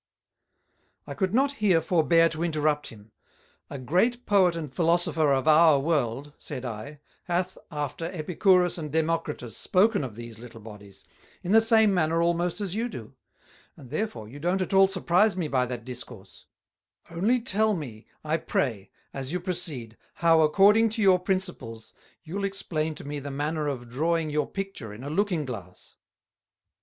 I could not here forbear to interrupt him: "A great Poet and Philosopher of our World," said I, "hath after Epicurus and Democritus spoken of these little Bodies, in the same manner almost as you do; and therefore, you don't at all surprise me by that Discourse: Only tell me, I pray, as you proceed, how, according to your Principles, you'll explain to me the manner of drawing your Picture in a Looking Glass."